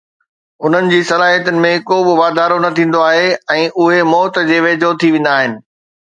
انهن جي صلاحيتن ۾ ڪو به واڌارو نه ٿيندو آهي ۽ اهي موت جي ويجهو ٿي ويندا آهن